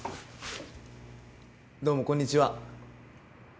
どうもこんにちは。